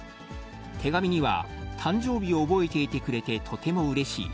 手紙には、誕生日を覚えていてくれてとてもうれしい。